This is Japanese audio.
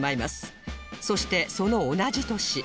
そしてその同じ年